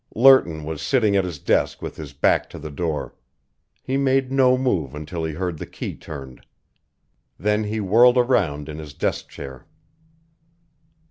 Lerton was sitting at his desk with his back to the door. He made no move until he heard the key turned. Then he whirled around in his desk chair.